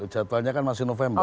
jadwalnya kan masih november